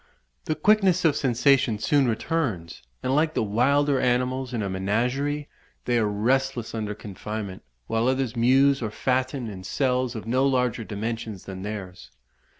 The quickness of sensation soon returns, and like the wilder animals in a menagerie, they are restless under confinement, while others muse or fatten in cells of no larger dimensions than theirs."